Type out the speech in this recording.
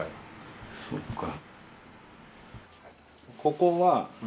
そっか。